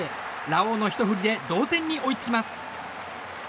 ラオウのひと振りで同点に追いつきます。